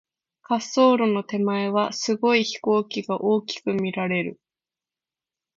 滑走路の手前は、すごい飛行機が大きく見られる。